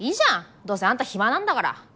どうせあんた暇なんだから！